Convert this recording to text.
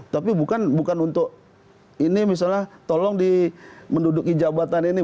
tapi bukan untuk ini misalnya tolong di menduduki jabatan ini